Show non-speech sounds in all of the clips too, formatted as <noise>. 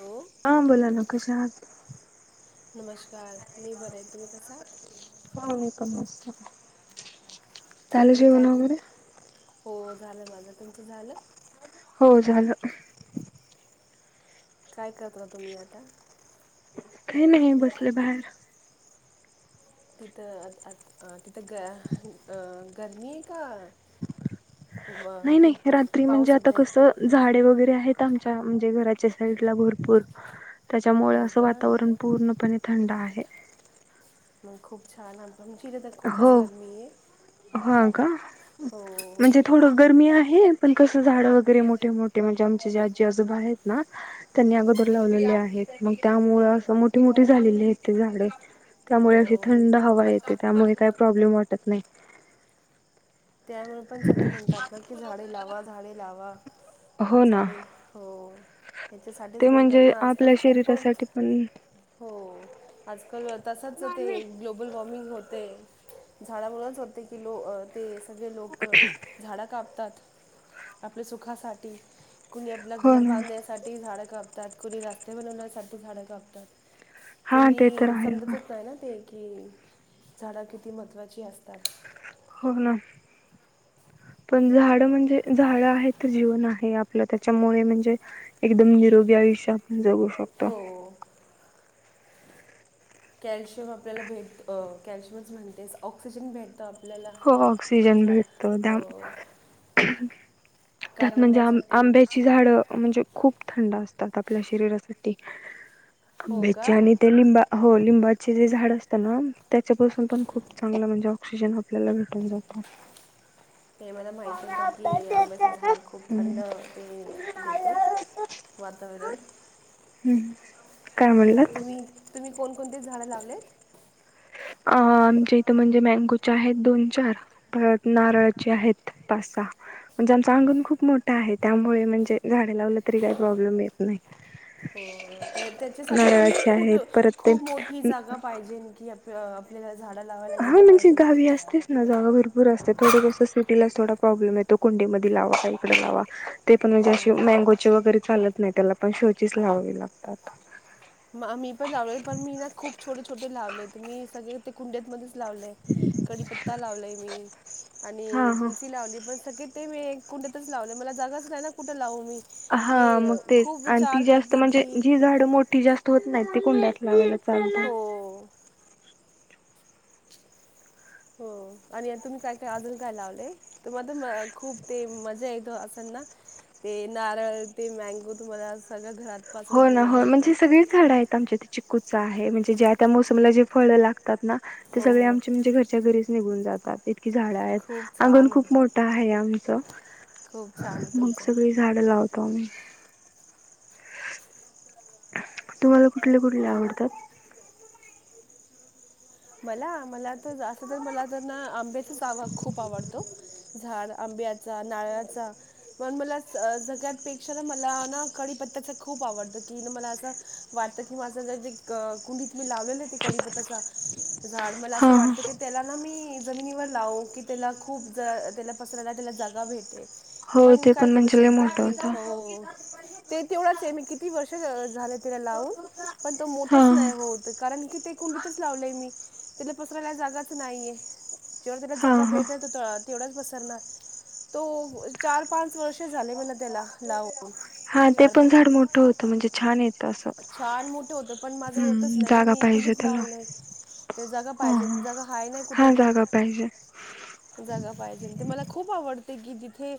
Hello ह बोला ना कशा आहात? <unintelligible> मी बरे तुम्ही कसे आहात? <unintelligible> झालं आणि जेवण काय वगैरे हो झालं माझं, तुमचं झालं? हो झालं काय करता तुम्ही आता? काही <inaudible> नाही बसले बाहेर तिथं अ तिथं ग अं गर्मी आहे का? व- नाही ते नाही रात्री म्हणजे पाऊस आता होते कस झाडे वगैरे आहेत आमच्या म्हणजे घराच्या साईडला भरपूर त्याच्यामुळे हो असं का वातावरण पूर्णपणे. थंड आहे. <inaudible> मग खूप छान आहे की. आमची इथे तर हो खूपच गरमी हा का? हो म्हणजे थोड गरमी आहे पण कस झाड वगैर. वगैरे मोठे मोठे म्हणजे आमचे जे आजी आजोबा आहेत ना त्यांनी अगोदर लावलेले आहेत मग त्यामुळे असं मोठीे मोठी झालेली आहेत ते झाडे. <inaudible> त्यामुळे अशी हो थंड हवा येते. काय प्रॉब्लेम वाटत नाही. त्यामुळे पण सगळे म्हणतात. ना की झाडे लावा, झाडे लावा. <inaudible> हो ना झाडे हो हयाच्यासाठीच ते म्हणतात म्हणजे ना आजकाल आपल्या खूप शरीरासाठी पण हो आजकाल तसंच ते ग्लोबल वॉर्मिंग होत. ते झाडामुळेच होते की लो ते सगळे लोक झाडं कापतात. <inaudible> आपल्या सुखासाठी कुणी आपलं हो घर ना बांधण्यासाठी झाडं काप त्यात कोणी रस्ते बनवण्यासाठी झाडं कापतात हा ते तर कोणी आहे बा समजतच नाही ना ते की झाडं किती महत्त्वाची असतात हो ना <inaudible> पण झाड म्हणजे झाड आहे तर जीवन आहे आपलं त्याच्यामुळे म्हणजे एकदम निरोगी आयुष्यात जगू शकता हो कॅल्शियम आपल्याला भेट कॅल्शियमच म्हणते ऑक्सिजन भेटतात. हो ऑक्सिजन भेटतो दम त्यात कार्बन म्हणजे आं डायऑक्साईड ते आंब्याची झाड म्हणजे खूप थंड असतात आपल्या शरीरा सुट हो आंब्याची का आणि ते लिंबा हो लिंबाचे जे झाड असत ना त्याच्यापासून पण खूप चांगलं म्हणजे ऑक्सिजन आपल्याला भेटून जातो हे मला माहीत होतं की आंब्याचं झाड खूप थंड हम्म ते देतो वातावरण काय म्हणलात तुम्ही तुम्ही कोण कोणती झाडं लावलेत अ आमच्या इथं म्हणजे मँगोचे आहेत दोन चार परत नारळाचे आहेत पाच सहा म्हणजे आमचं अंगण खूप मोठं आहे त्यामुळे म्हणजे झाडे लावलं तरी काही प्रॉब्लेम येत नाही हो त्या त्याच्यासाठी पण ना नारळाचे खुट आहेत परत ते खूप मोठी जागा पाहिजे की आप ह <inaudible> हा म्हणजे गावी असतेच ना जागा भरपूर असते थोडस सिटीला थोडा प्रॉब्लेम येतो कुंडी मध्ये लावा का इकडे लावा ते पण म्हणजे अे हो. मँगोचे वगैरे चालत नाही त्याला पण शोध लावी लागतात म- मी पण लावले पण मी ना खूप छोटे छोटे लावले तर मी सगळे ते कुंड्यामध्ये कपता लावलय मी हा आणि हा तु लावली पणग ते मी कुठेतच लावले मला जागाच नाही ना कुठं लावून हा मग तेच आणि ती जास्त करते म्हणजे की जी झाड मोठी जास्त होत नाही ते कुंड्यात लावला का ना हो हो आणि आता तुम्ही काय काय अजून काय लावलंय तुम्हाला तर खूप ते मजा येत असलना ते नारळ ते मँगो तुम्हाला सगळ्या घरात हो पासून ना तुम्हाला हो भेटतंय म्हणजे सगळीच झाड आहेत आमच्या इथे चिकू आहे म्हणजे ज्या त्या मोसमला जे फळ लागतात ते हो सगळे हो आम म्हणजे घरच्या घरी निघून जातात झाड खूप आहेत आंगण छान आहे खूप मोठं आहे आमचं खूप छान आहे मग तुमचं सगळी झाडं लावत तम तुम्हाला कुठले कुठले आवडतात मला मला तर अस मला आंब त जावा खूप आवडतो झाड आंब्याचा नाळ्याचा म्हण मला सगळ्यापेक्षा ना मला ना कढीपत्ताच खूप आवडत कि ना मला असं वाटत कि माझं जरे कुंडीत मी लावलेलं ते कीपत्ताचा झाड मला असं हा हा वाटतं की त्याला ना मी जमिनीवर लाव की त्याला खूप त्याला पसरायला त्याला जागा भेटे हो पण ते काय करू म्हणजे लय शकते मोठं की होतं हो ते तेवढाच आहे मी कि किती वर्ष झालं तिला लावून पण तो हा मोठंच नाही होत कारण की ते कोणीलीतच लावलंय मी तिला पसरायला जागाच नाहीये. जेववर त्याला हा जागा हा. भेट द तो तळत तेवढाच पसरणार तो चार पाच वर्ष झाले मला त्याला लाव हा ते पण झाड मोठं होतं म्हणजे छान येत. छान मोठं होत पण माझं होतच हम्म नाही, ना जागा मी पाहिजे कुंडीत त्याला. लावलंय ते जगा हा पाहिजे हा. जगा हाय नाही, कुठे हा पण जागा पाहिजे जगा पाहिजे ते मला खूप आवडत. ते की जिथे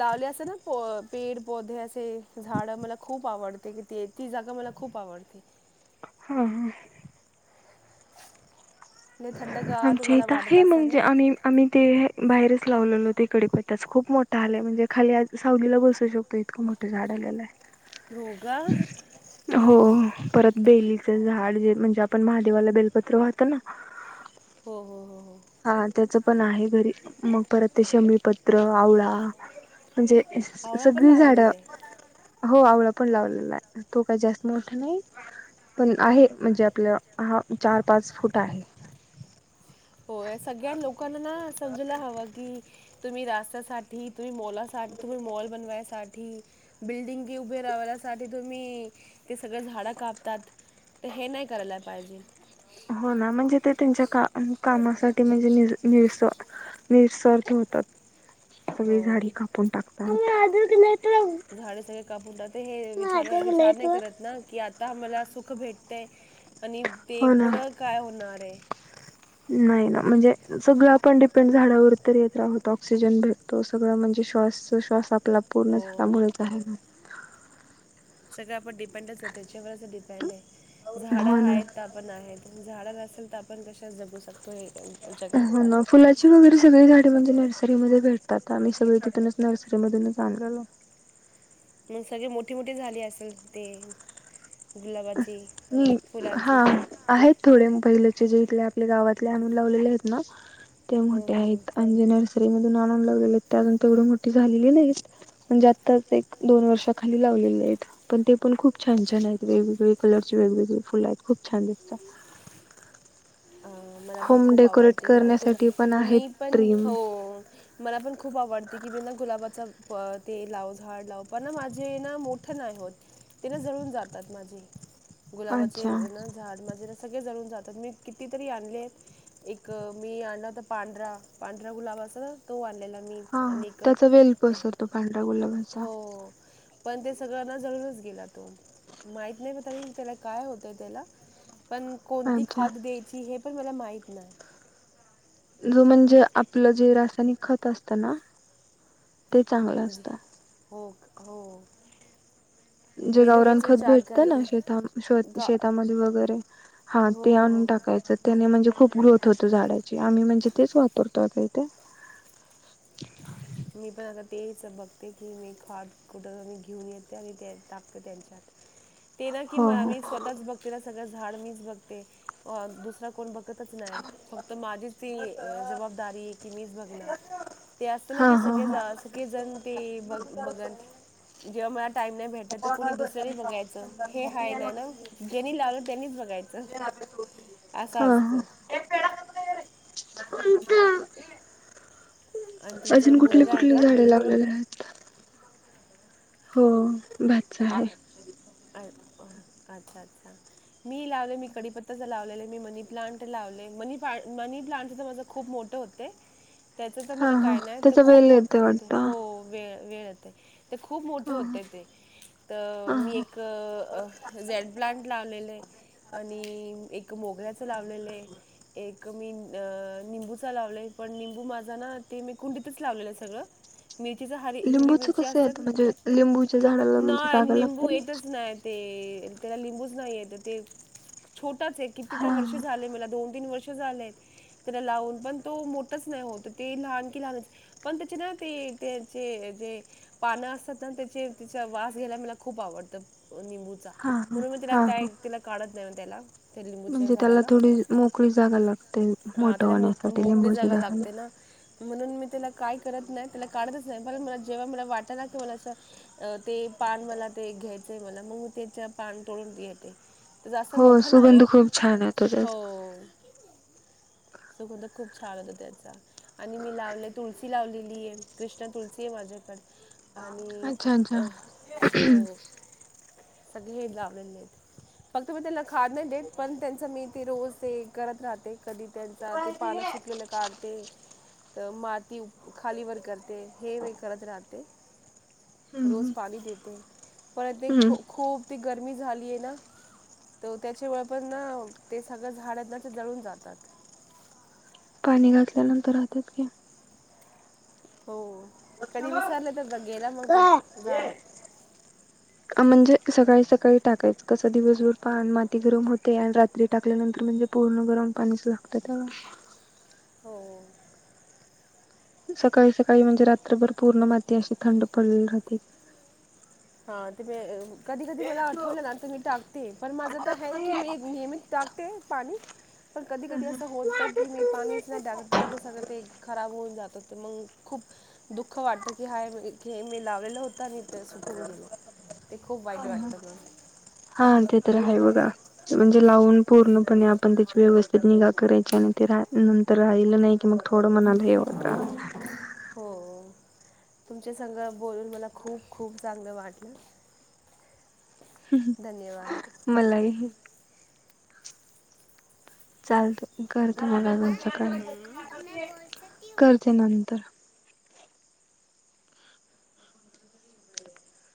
लावले असं ना प पेड पौधे असे झाडं मला खूप आवडते की ते ती जागा मला खूप आवडते. हा हा. नाही थंडगार आमच्या तुम्हाला इथ वाटत आहे असेल ना मगजे आम्ही आम्ही ते बाहेरच लावलेलोते इकडेप त्याच खूप मोठा आलाय म्हणजे खाली आज सावलीला बसू शकतो इतकं मोठं झाड आलेलं आहे. योगा हो परत बेलीच झाड जे म्हणजे आपण महादेवाला बेलपत्र वाहत ना हो, हो, हो, हो. हा त्याच. पण आहे. घरी मग परत ते शमी पत्र आवळा. म्हणजे आवळा पण सगळी लावलेला झाडं आहे हो आवड ण लालेला तो काहीत मोठ नाही पण आहे म्हणजे आप हा च पाच फूट आहे. हो सगळ्या लोकांना समजला हव की तुम्ही रास्त्यासाठी तुम्ही मोला सा तुम्ही मॉल बनवायसाठी बिल्डिंगे उभे राण्यासाठी तुम्ही ते सगळ झाडं कापतात तर हे नाही करायला पाहिजे. हो ना म्हणजे, ते त्यांच्या कामासाठी म्हणजे निस निस्वर्थ होतात. सगळी झाडी हो कापून टाकतात. <inaudible> झाडे सगळे कापूनात हे विचार विचार नाही. करत ना की आता मला सुख भेट ते. आणि ते हो ना पुढं काय होणार आहे. नाही, ना म्हणजे सगळं आपण डिपेंड झाडावर तर येत राहोत ऑक्सिजन भेटतो सगळं म्हणजे श्वास श्वास आपला पूर्ण हो झाडामुळेच आहे का. सगळं आपण डिपेंडच त्या त्याच्यावरच डिपेंड आहे ना झाड हो ना. आहेत. पण म्हणून आपण झाड नसेल तर आपण कशाच जगू शकतोय. हो ना फुलाची वगैरे सगळी झाडे म्हणजे नर्सरीमध्ये भेटतात आम्ही सगळी तिथूनच नर्सरी मधूनच जा मग सगळे मोठे मोठे झाले असेल ते गुलाबात म हा आहेत थोडे पहिले इथले आपल्या गावातले आणून लावलेले आहेत ना ते हो मोठे हो हो आहेत <inaudible> मून आणून लावलेले आहेत त्या अजून तेवढ मोठी झालेली नाहीत म्हणजे आत्ताच एक दोन वर्षाखाली लावलेले आहेत पण ते पण खूप छान छान आहेत वेगवेगळे कलरची वेगवेगळी फुलं आहेत खूप छान दिसतात अ मला पण होम खूप डेकोरेट आवडते की ना गु करण्यासाठी पण मी आहेत पण ट्रीम हो मला पण खूप आवडते की मी ना गुलाबाचा ते लाव झाड लाव पण ना माझे ना मोठं नाही होत ते ना जळून जातात माझे गुलाबाचे अच्छा ना झाड म्हणजे सगळे जण <inaudible> कितीतरी आणले आहेत एक मी आणलं होत पांढरा पांढरा गुलाब अस तो आणलेला मी हा अनेक त्याचा वेल पसरतो पांढरा गुलाबाचा हो पण ते सगळंना जळूनच गेला तो माहित नाही पता त्याला काय होतय त्याला पण कोणती अच्छा खाद देईल हे पण मला माहित नाही म्हणजे जे आपलं जे रासायनिक खत असत ना ते चांगलं जे असतं हो क- हो जे मी तर गावरान हेच खत विचार भेटतं ना करते श गा शेतामध्ये वगैरे हा हो ते हो हो आणून हो टाकायचं त्याने म्हणजे खूप ग्रोथ होतो झाडाची आम्ही म्हणजे तेच वापरतो आता इथे मी पण आता तेच बघते की मी खाद कुठं मी घेऊन येते आणि ते टाकते त्यांच्यात ते ना की हो मला हो मी स्वतःच बघतीना सगळच झाड मीच बघते दुसरा कोण बघ नाय फक्त माझीच ती जबाबदारी आहे की मीच बघणार ना हा कि हा सगळे ह सगळे जण ते ब बघन जेव्हा <inaudible> तर हा कोणी दुसऱ्याने बघायचं हे हाय नाही ना ज्यांनी लावलं त्यांनीच बघायचं असं हा असतं <inaudible> <inaudible> आणि तुमचा अजून कुठली मुलगा आहे कुठली का झाडे लागलेली आहेत हो भाचा आहे अ- अच्छा अच्छा मी लावले मी कढीपत्त्याच लावलेलं मी मनी प्लांट लावले म मनी प्लांट तर माझ खूप मोठ होते. त्याच तर हा मला हा काय नाही तर त्याचा खूप वेल मोठे येते होते वाटत हो वेळ वेळ येतय ते खूप ह मोठे होते ते तर ह मी ह एक झेड प्लांट लावलेले आणि एक मोगऱ्याच लावलेलं एक मी निंबूचा लावलोय पण निंबू माझा ना ते मी कुंडीतच लावलेलं आहे सगळं मिरचीचं हरी हिरवी लिंबूच मिरची कस असतात येत ना म्हणजे लिंबूच्या झाडाला म्हणजे नाही जागा लिंबू लागते येतच नाही ते त्याला लिंबूच नाही य ते छोट किती हा तर वर्ष झाले मला दोन तीन वर्ष त्याला लावून पण तो मोठच नाही होत ते लहान की लहानच पण त्याचे ना ते त्याचे जे पानं असतात ना त्याचे त्याचा वास घ्यायला मला खूप आवडतं निंबूचा हा हा म्हणून मी तिला हा हा त्या तेला काढत त्याला त्या लिंबूच्या म्हणजे त्याला झाडाला थोडी मोकळी जागा लागते हा मोठं त्याला मोठ होण्यासाठी मोकळी लिंबाच्या जागा झाडाला लागते ना म्हणून मी त्याला काय करत नाही त्याला काढतच नाही पण मला जेव्हा मला वाट ना की मला असं ते पान मला ते घ्या मला मग मग त्याच्या पान तोळून येते जास्त हो मोठं नाही सुगंध होत खूप छान येतो हो त्याचा. सुगण तर खूप छान होता त्याचा आणि मी लावले तुलसी लावलेली आहे कृष्ण तुलसी आहे माझ्याकडे आणि अच्छा अच्छा अं, हो सगळे लावलेले फक्त मी त्यांना खाद नाही देत पण त्यांच मी ते रोज ते करत राहते कधी त्यांचा ते पाना सुटलेलं काढते तर माती खालीवर करते हे मी करत राहते हम्म रोज पाणी देते पर ते हम्म खू खूप गरमी झालीय ना तर त्याच्या मुळे पण ना ते सगळ झाड आहेत ना ते जळून जातात पाणी घातल्यानंतर राहतात की हो कधी विसरलं तर बग गेला मग तो काय? झाड म्हणजे सकाळी सकाळी टाकायचं कस दिवसभर पा माती गरम होते आणि रात्री टाकल्यानंतर म्हणजे पूर्ण गरम पाणीच लागत त्या हो सकाळी सकाळी म्हणजे रात्रभर पूर्ण माती अशी थंड पडली राहते हा ते म कधी कधी मला आठवलं ना तर मी टाक ते पण माझं की मे नियमित टाकते पाणी पण कधी कधी असं होतं की मी पाणीच नाही टा टाकत नंतर सगळं ते खराब होऊन जातते मग खूप दुःख वाटत की हाय हे मी लावलेलं होत आणि ते सुकून गेलं ते खूप वाईट वाटतं म हा ते तर आहे बघा म्हणजे लावून पूर्णपणे आपण त्याची व्यवस्थित निगा करायची आणि ते नंतर राहिलं नाही कि मग थोडं मणाला हे होत हो तुमच्या संग बोलून मला खूप खूप चांगलं वाटलं. धन्यवाद. मलाही. चालत. करते. मला दोन, चार काम आहे करते नंतर.